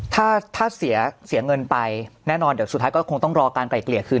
ถ้าถ้าเสียเงินไปแน่นอนเดี๋ยวสุดท้ายก็คงต้องรอการไกล่เกลี่ยคืน